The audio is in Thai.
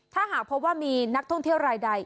ถ้าหากพบว่ามีนักท่องเที่ยวรายใด